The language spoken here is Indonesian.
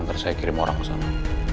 nanti saya kirim orang ke sana